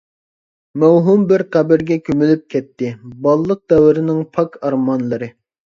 مەۋھۇم بىر قەبرىگە كۆمۈلۈپ كەتتى، بالىلىق دەۋرىنىڭ پاك ئارمانلىرى.